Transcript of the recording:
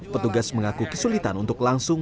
petugas mengaku kesulitan untuk langsung